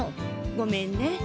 ごめんね。